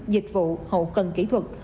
dịch vụ hậu cần kỹ thuật